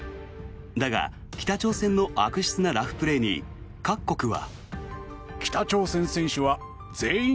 だが、北朝鮮の悪質なラフプレーに各国は。